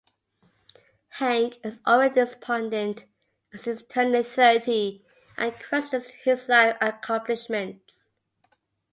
Hank is already despondent, as he is turning thirty and questions his life accomplishments.